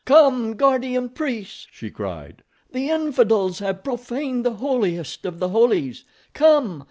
"Come, Guardian Priests!" she cried. "The infidels have profaned the holiest of the holies. Come!